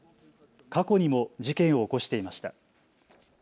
過去にも事件を起こしていました。